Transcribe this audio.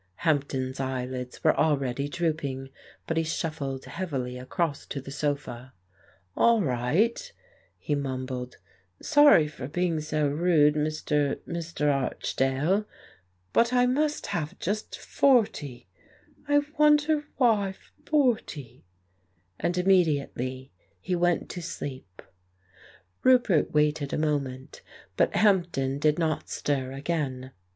Hampden's eyelids were already drooping, but he shuffled heavily across to the sofa. "All right," he mumbled, "sorry for being so rude, Mr. — Mr. Archdale, but I must have just forty — I wonder why forty " And immediately he went to sleep. 1 66 The Case of Frank Hampden Roupert waited a moment, but Hampden did not stir again.